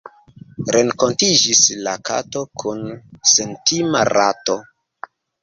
Renkontiĝis la kato kun sentima rato.